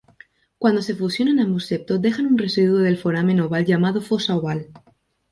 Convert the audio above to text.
Cuando se fusionan ambos septos dejan un residuo del foramen oval llamado fosa oval.